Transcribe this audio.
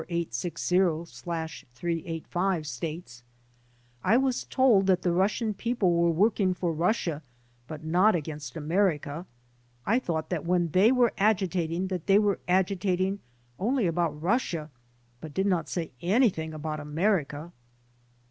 54860/385) states: '1 was told that the Russian people were working for Russia but not against America. I thought that when they were agitating that they were agitating only about Russia but did not say anything about America."